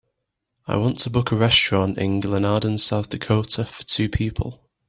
I want to book a restaurant in Glenarden South Dakota for two people.